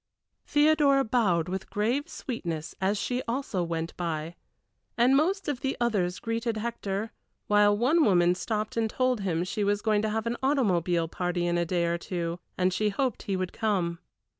Theodora bowed with grave sweetness as she also went by, and most of the others greeted Hector, while one woman stopped and told him she was going to have an automobile party in a day or two, and she hoped he would come.